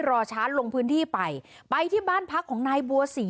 รอช้าลงพื้นที่ไปไปที่บ้านพักของนายบัวศรี